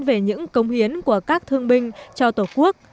về những công hiến của các thương binh cho tổ quốc